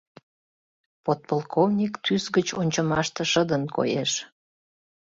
Подполковник тӱс гыч ончымаште шыдын коеш.